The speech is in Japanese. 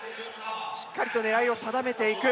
しっかりと狙いを定めていく。